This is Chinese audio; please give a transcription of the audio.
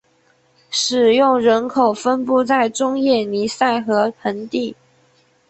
使用人口分布在中叶尼塞河盆地。